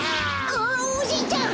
あおじいちゃん